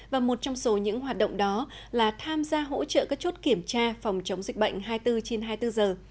và một trong số những hoạt động đó là tham gia hỗ trợ các chốt kiểm tra phòng chống dịch bệnh hai mươi bốn trên hai mươi bốn giờ